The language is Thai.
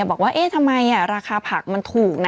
บอกว่าทำไมราคาผักมันถูก